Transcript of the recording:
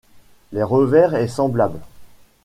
Les revers est semblable.